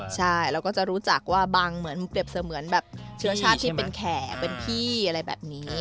ใช่เราก็จะรู้จักว่าบังเหมือนเชื้อชาติที่เป็นแขกเป็นพี่อะไรแบบนี้